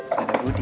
sampai jumpa budi